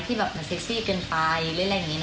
ที่เป็นประโยชน์เซ็กซี่เกินไป